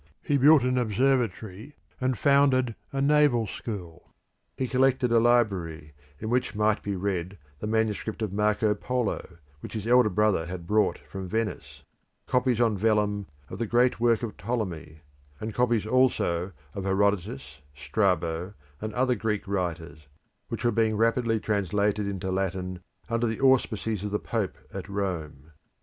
He built an observatory, and founded a naval school. He collected a library, in which might be read the manuscript of Marco Polo, which his elder brother had brought from Venice; copies on vellum of the great work of Ptolemy; and copies also of Herodotus, Strabo, and other Greek writers, which were being rapidly translated into Latin under the auspices of the Pope at Rome.